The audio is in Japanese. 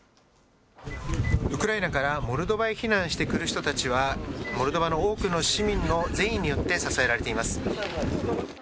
ウクライナからモルドバへ避難してくる人たちはモルドバの多くの市民の善意によって支えられています。